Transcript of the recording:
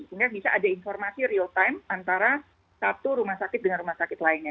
sehingga bisa ada informasi real time antara satu rumah sakit dengan rumah sakit lainnya